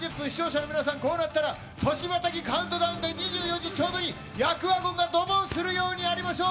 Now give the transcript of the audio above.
視聴者の皆さん、こうなったら、年またぎカウントダウン２４時ちょうどに、厄ワゴンがドボンするようにしましょう。